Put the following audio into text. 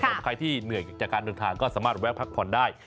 ใครที่เหนื่อยจากการเดินทางก็สามารถแวะพักผ่อนได้